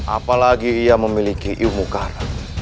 apalagi dia memiliki ilmu karam